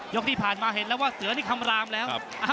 กที่ผ่านมาเห็นแล้วว่าเสือนี่คำรามแล้ว